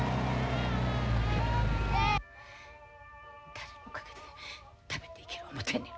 誰のおかげで食べていける思てんのや。